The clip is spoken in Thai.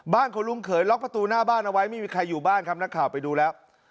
ของลุงเขยล็อกประตูหน้าบ้านเอาไว้ไม่มีใครอยู่บ้านครับนักข่าวไปดูแล้ว